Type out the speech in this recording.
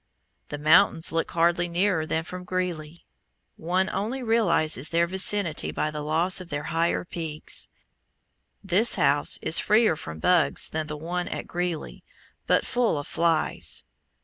The Mountains look hardly nearer than from Greeley; one only realizes their vicinity by the loss of their higher peaks. This house is freer from bugs than the one at Greeley, but full of flies.